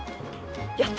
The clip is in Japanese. やった！